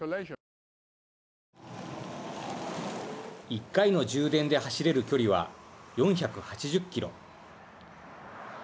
１回の充電で走れる距離は４８０ｋｍ。